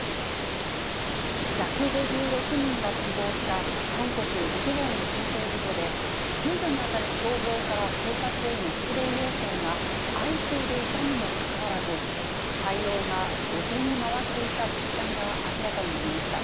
１５６人が死亡した韓国・イテウォンの転倒事故で、救助に当たる消防から警察への出動要請が相次いでいたにもかかわらず、対応が後手に回っていた実態が明らかになりました。